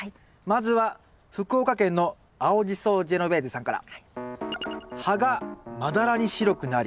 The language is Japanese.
まずは福岡県の青じそジェノベーゼさんから。